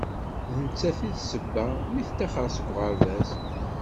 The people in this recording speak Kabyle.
D netta i d-sebba mi tettaxer seg uɣerbaz.